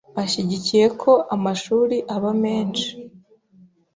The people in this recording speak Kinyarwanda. ashyigikiye ko amashuri aba menshi